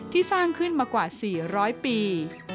สร้างขึ้นมากว่า๔๐๐ปี